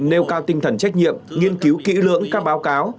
nêu cao tinh thần trách nhiệm nghiên cứu kỹ lưỡng các báo cáo